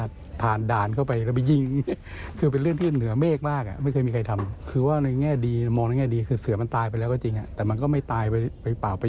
แต่พอมีเรื่องเหตุอย่างนี้ก็เห็นได้ว่า